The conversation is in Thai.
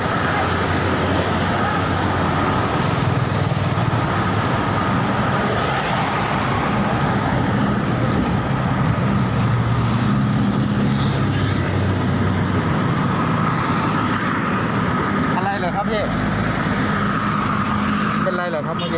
เป็นอะไรเหรอครับเมื่อกี้